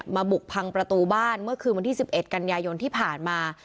บุกพังประตูบ้านเมื่อคืนวันที่๑๑กันยายนที่ผ่านมา